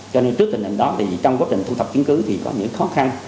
cho nên trước tình hình đó thì trong quá trình thu thập chứng cứ thì có những khó khăn